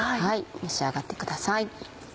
召し上がってください。